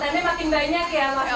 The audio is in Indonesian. kontennya makin banyak ya mas mbak